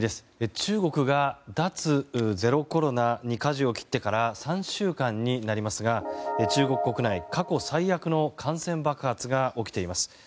中国が、脱ゼロコロナにかじを切ってから３週間になりますが中国国内では過去最悪の感染爆発が起きています。